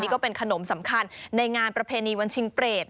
ก็เป็นขนมสำคัญในงานประเพณีวันชิงเปรต